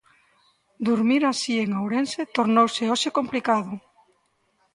Durmir así en Ourense tornouse hoxe complicado.